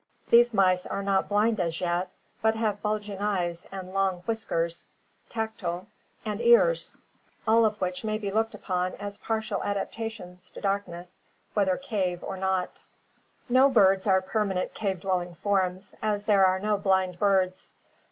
These mice are not blind as yet, but have bulging eyes and long whiskers (tactile) and ears, all of which may 374 ORGANIC EVOLUTION be looked upon as partial adaptations to darkness, whether cave or not. No birds are permanent cave dwelling forms, as there are no blind birds.